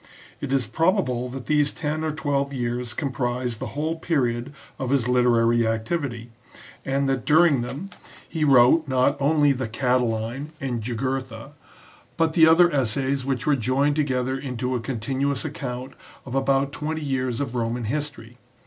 It is probable that these ten or twelve years comprise the whole period of his literary activity, and that during them he wrote, not only the " Catiline" and "Jugurtha," but the other essays which were joined together into a con tinuous account of about twenty years of Roman history.